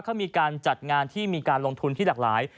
เขามีการจัดงานที่มีการลงทุนที่หลากหลาย